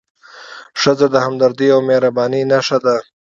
ښځه د همدردۍ او مهربانۍ نښه ده.